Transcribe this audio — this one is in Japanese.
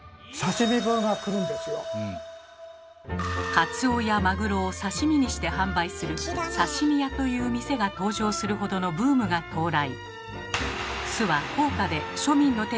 カツオやマグロを刺身にして販売する「刺身屋」という店が登場するほどのブームが到来。